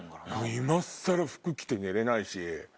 今更服着て寝れないし。